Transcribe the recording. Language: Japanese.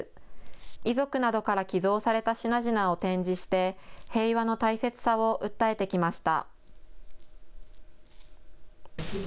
遺族などから寄贈された品々を展示して平和の大切さを訴えてきました。